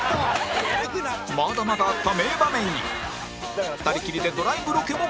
まだまだあった名場面に２人きりでドライブロケも